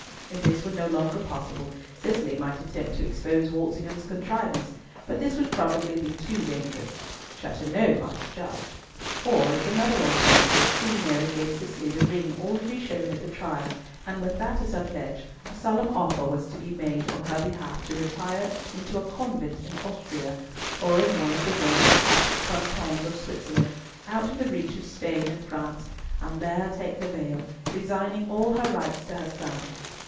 If this were no longer possible, Cicely might attempt to expose Walsingham's contrivance; but this would probably be too dangerous. Chateauneuf must judge. Or, as another alternative, Queen Mary gave Cicely the ring already shown at the trial, and with that as her pledge, a solemn offer was to be made on her behalf to retire into a convent in Austria, or in one of the Roman Catholic cantons of Switzerland, out of the reach of Spain and France, and there take the veil, resigning all her rights to her son.